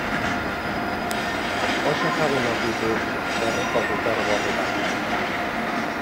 Oso ezagunak ditu herriko piper gorriak.